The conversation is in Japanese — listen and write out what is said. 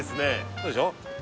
そうでしょう？